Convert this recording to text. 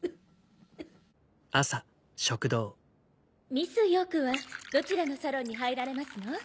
ミス・ヨークはどちらのサロンに入られますの？